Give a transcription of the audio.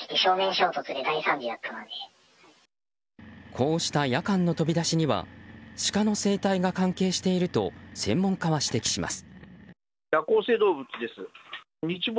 こうした夜間の飛び出しにはシカの生態が関係していると専門家は指摘します。